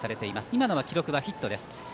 今のは記録はヒットです。